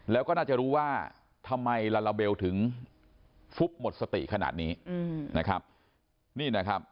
แล้วก็น่าจะรู้ว่าทำไมลัลลาเบลถึงมดสติขนาดนี้